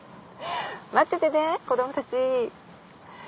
待っててね子どもたち。